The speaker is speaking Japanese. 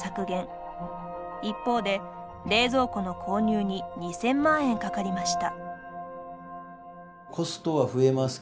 一方で冷蔵庫の購入に２，０００万円かかりました。